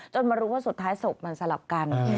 มารู้ว่าสุดท้ายศพมันสลับกัน